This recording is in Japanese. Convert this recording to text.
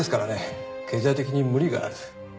経済的に無理がある。